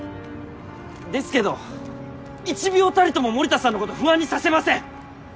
ですけど１秒たりとも森田さんのこと不安にさせません！